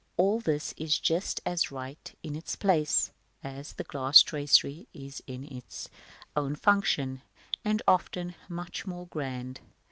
All this is just as right in its place, as the glass tracery is in its own function, and often much more grand.